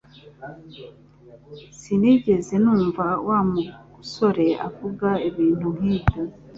Sinigeze numva Wa musore avuga ibintu nkibyo